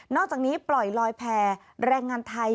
อกจากนี้ปล่อยลอยแพร่แรงงานไทย